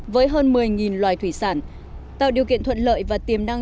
với hơn một mươi loài thủy sản tạo điều kiện thuận lợi và tiềm năng